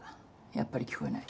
やっぱり聞こえない。